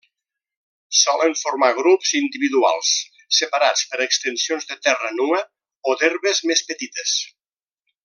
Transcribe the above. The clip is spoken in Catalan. Solen formar grups individuals separats per extensions de terra nua o d'herbes més petites.